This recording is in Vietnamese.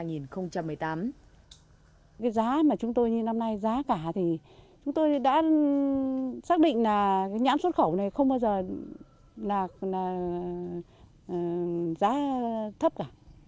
cái giá mà chúng tôi như năm nay giá cả thì chúng tôi đã xác định là cái nhãn xuất khẩu này không bao giờ là giá thấp cả